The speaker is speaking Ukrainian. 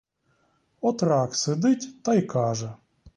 От рак сидить та й каже.